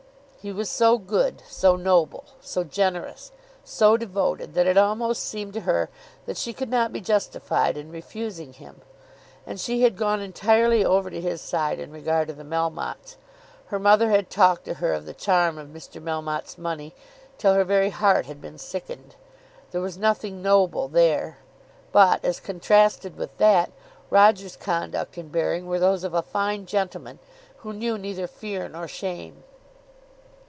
He was so good, so noble, so generous, so devoted, that it almost seemed to her that she could not be justified in refusing him. And she had gone entirely over to his side in regard to the Melmottes. Her mother had talked to her of the charm of Mr. Melmotte's money, till her very heart had been sickened. There was nothing noble there; but, as contrasted with that, Roger's conduct and bearing were those of a fine gentleman who knew neither fear nor shame.